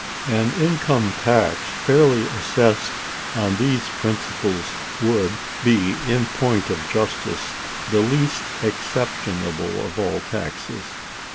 An income tax, fairly assessed on these principles, would be, in point of justice, the least exceptionable of all taxes.